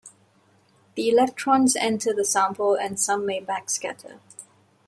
The electrons enter the sample and some may backscatter.